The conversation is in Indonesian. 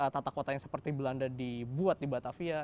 tata kota yang seperti belanda dibuat di batavia